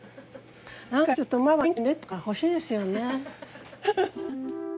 何かちょっと「ママ元気でね」とか欲しいですよね。ハハハ。